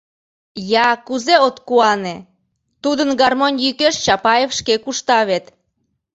Я кузе от куане: тудын гармонь йӱкеш Чапаев шке кушта вет...